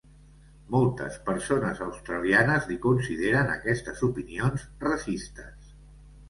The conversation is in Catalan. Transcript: Moltes persones australianes li consideren aquestes opinions racistes.